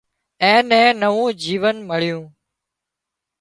اين نين نوون جيونَ مۯيُون